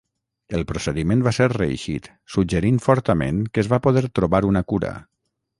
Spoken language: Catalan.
El procediment va ser reeixit, suggerint fortament que es va poder trobar una cura.